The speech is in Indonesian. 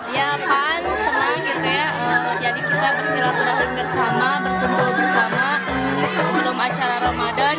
ya pan senang gitu ya jadi kita bersilaturahim bersama berkumpul bersama sebelum acara ramadan